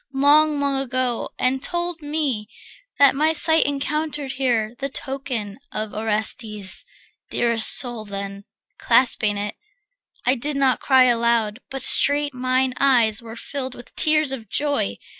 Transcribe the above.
long, long ago, And told me that my sight encountered here The token of Orestes, dearest soul Then, clasping it, I did not cry aloud, But straight mine eyes were filled with tears of joy.